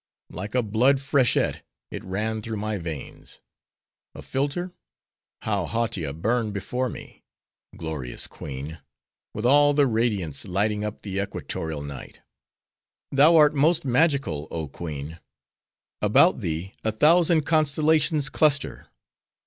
Like a blood freshet, it ran through my veins. A philter?—How Hautia burned before me! Glorious queen! with all the radiance, lighting up the equatorial night. "Thou art most magical, oh queen! about thee a thousand constellations cluster."